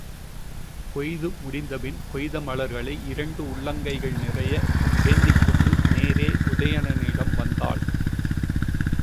கொய்து முடிந்தபின் கொய்த மலர்களை இரண்டு உள்ளங்கைகள் நிறைய ஏந்திக்கொண்டு நேரே உதயணனிடம் வந்தாள்.